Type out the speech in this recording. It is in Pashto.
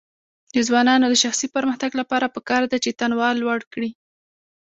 د ځوانانو د شخصي پرمختګ لپاره پکار ده چې تنوع لوړ کړي.